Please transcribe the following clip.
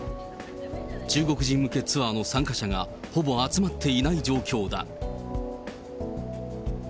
中国人向けツアーの参加者がほぼ集まっていない状況だ。